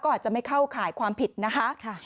อาจจะไม่เข้าข่ายความผิดนะคะ